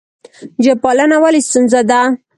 ژب پالنه ولې ستونزه ده؟